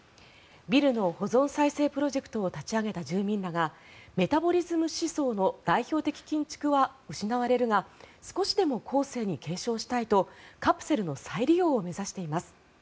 ビルの保存・再生プロジェクトを立ち上げた住民らがメタボリズム思想の代表的建築は失われるが少しでも後世に継承したいとカプセルの再利用を目指しています。